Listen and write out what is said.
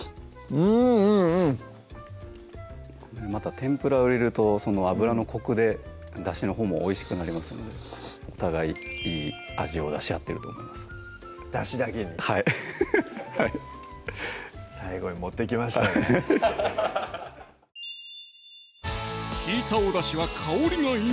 うんうんまた天ぷらを入れるとその油のコクでだしのほうもおいしくなりますのでお互いいい味を出し合ってると思いますだしだけにはいヘヘヘはい最後に持っていきましたね引いたおだしは香りが命！